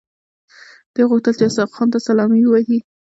دوی غوښتل چې اسحق خان ته سلامي شي.